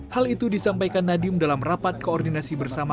hal itu disampaikan nadiem dalam rapat koordinasi bersama